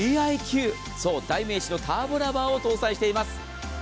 そう代名詞のターボラバーを搭載しています。